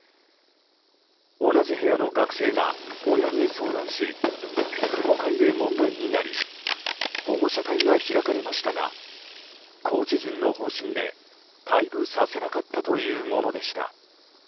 同じ部屋の学生が親に相談し父母会で問題になり保護者会が開かれましたがコーチ陣の方針で退部させなかったというものでした。